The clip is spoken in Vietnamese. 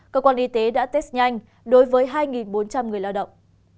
cơ quan y tế đã test nhanh đối với hai bốn trăm linh người lao động